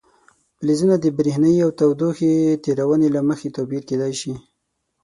فلزونه د برېښنايي او تودوخې تیرونې له مخې توپیر کیدای شي.